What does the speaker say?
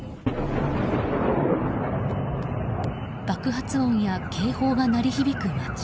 爆発音や警報が鳴り響く街。